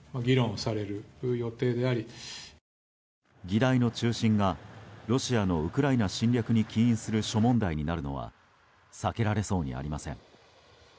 議題の中心がロシアのウクライナ侵略に起因する諸問題になるのは避けられそうにありません。